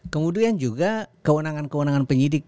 kemudian juga kewenangan kewenangan penyidik